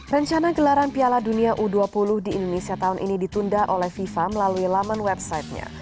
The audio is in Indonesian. rencana gelaran piala dunia u dua puluh di indonesia tahun ini ditunda oleh fifa melalui laman websitenya